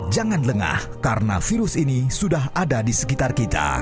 jangan lengah karena virus ini sudah ada di sekitar kita